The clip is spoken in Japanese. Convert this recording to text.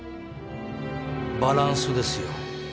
バランスですよ